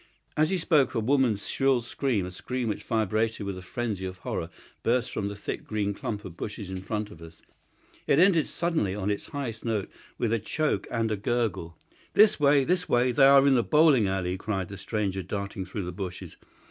As he spoke a woman's shrill scream—a scream which vibrated with a frenzy of horror—burst from the thick green clump of bushes in front of us. It ended suddenly on its highest note with a choke and a gurgle. "This way! This way! They are in the bowling alley," cried the stranger, darting through the bushes.